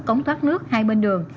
cống thoát nước hai bên đường